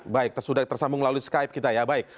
baik sudah tersambung melalui skype kita ya baik